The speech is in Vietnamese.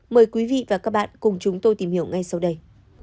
mời quý vị và các bạn cùng chúng tôi tìm hiểu ngay sau đây